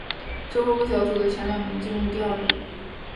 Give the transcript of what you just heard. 之后各小组的前两名进入第二轮。